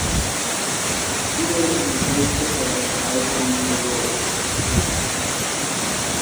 Viaj amikeco kaj amikaĵo min delogis.